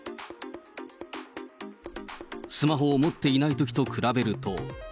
スマホを持っていないときと比べると。